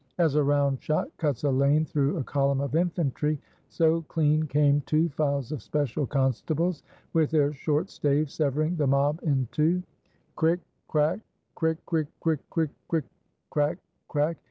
As a round shot cuts a lane through a column of infantry, so clean came two files of special constables with their short staves severing the mob in two crick, crack, crick, crick, crick, crick, crack, crack.